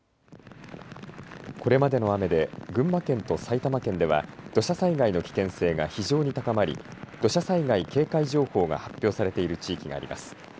これまでの雨で群馬県と埼玉県では土砂災害の危険性が非常に高まり土砂災害警戒情報が発表されている地域があります。